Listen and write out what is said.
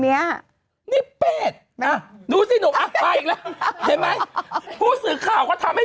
เนี้ยนี่เป็ดนะดูสิหนุ่มอ่ะมาอีกแล้วเห็นไหมผู้สื่อข่าวก็ทำให้